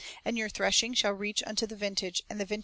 And your threshing shall reach unto the vintage, and the vintage